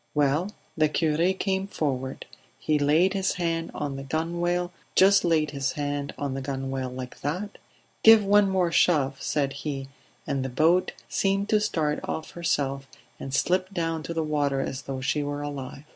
Well, the cure came forward; he laid his hand on the gunwale just laid his hand on the gunwale, like that 'Give one more shove,' said he; and the boat seemed to start of herself and slipped down to the water as though she were alive.